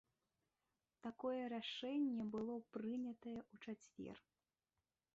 Такое рашэнне было прынятае ў чацвер.